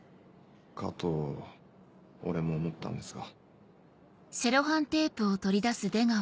かと俺も思ったんですが。